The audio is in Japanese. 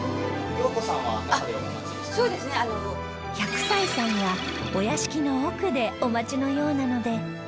１００歳さんはお屋敷の奥でお待ちのようなので